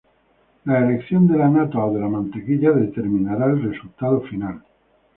La elección de la nata o de la mantequilla determinará el resultado final.